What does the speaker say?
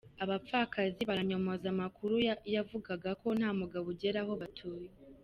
Abapfakazi baranyomoza amakuru yavugaga ko nta mugabo ugera aho batuye